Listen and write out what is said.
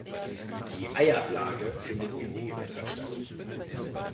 Die Eiablage findet in die Gewässer statt.